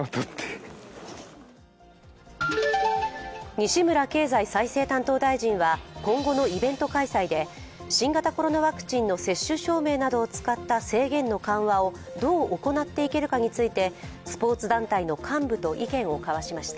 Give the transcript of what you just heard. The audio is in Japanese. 西村経済再生担当大臣は今後のイベント開催で新型コロナワクチンの接種証明などを使った制限の緩和をどう行っていけるかについてスポーツ団体の幹部と意見を交わしました。